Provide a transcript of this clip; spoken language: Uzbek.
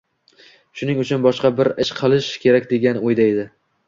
shuning uchun boshqa bir ish qilish kerak degan o'yda edi.